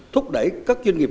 thúc đẩy các doanh nghiệp